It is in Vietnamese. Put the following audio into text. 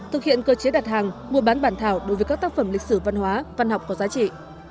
thực hiện cơ chế đặt hàng mua bán bản thảo đối với các tác phẩm lịch sử văn hóa văn học có giá trị